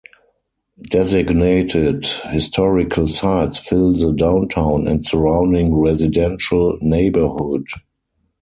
Designated historical sites fill the downtown and surrounding residential neighborhood.